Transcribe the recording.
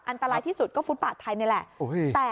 อันตรายที่สุดก็ฟุตบาทไทยนี่แหละ